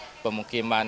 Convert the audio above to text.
di daerah pemukiman